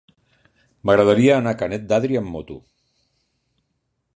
M'agradaria anar a Canet d'Adri amb moto.